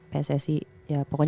pssi ya pokoknya yang gue rasa